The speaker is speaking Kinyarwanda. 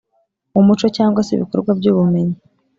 umuco cyangwa se ibikorwa by’ubumenyi